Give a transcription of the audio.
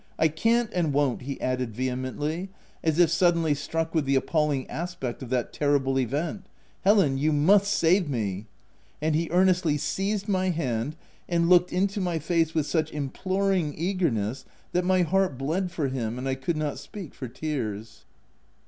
— I can't and won't/' he added vehemently, as if suddenly struck with the ap palling aspect of that terrible event, " Helen, you must save me V And he earnestly seized my hand, and looked into my face with such imploring eagerness that my heart bled for him, and I could not speak for tears.''